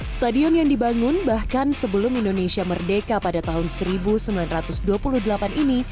stadion yang dibangun bahkan sebelum indonesia merdeka pada tahun seribu sembilan ratus dua puluh delapan ini